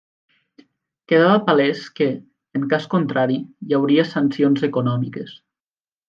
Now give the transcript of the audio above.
Quedava palès que, en cas contrari, hi hauria sancions econòmiques.